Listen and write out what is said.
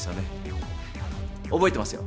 おぼえてますよ。